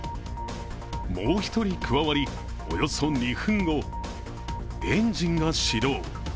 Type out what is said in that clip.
もう一人加わり、およそ２分後、エンジンが始動。